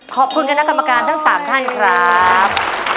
ขอบคุณกับนักกรรมการทั้งสามท่านครับ